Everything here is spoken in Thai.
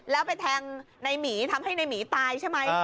แล้วไปแทงในหมีทำให้ในหมีตายใช่ไหม